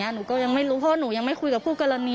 หนูก็ยังไม่รู้เพราะว่าหนูยังไม่คุยกับผู้กรณี